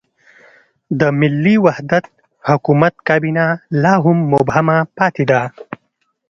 د ملي وحدت حکومت کابینه لا هم مبهمه پاتې ده.